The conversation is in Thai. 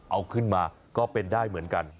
เอาขึ้นมาก็เป็นได้เหมือนกัน